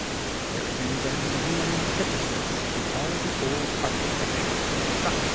There is in them many an antithesis to all the old archi tectures and structures.